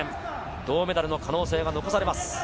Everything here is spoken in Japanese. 銅メダルの可能性が残されます。